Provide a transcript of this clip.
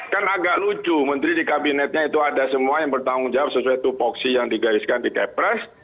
kan agak lucu menteri di kabinetnya itu ada semua yang bertanggung jawab sesuai tupoksi yang digariskan di kepres